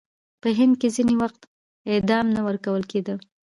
په هند کې ځینې وخت اعدام نه ورکول کېده.